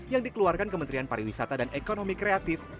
yang dikeluarkan kementerian pariwisata dan ekonomi kreatif